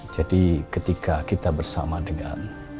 jadi ketika kita bersama dengan